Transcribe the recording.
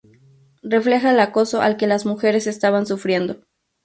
Refleja el acoso al que las mujeres estaban sufriendo.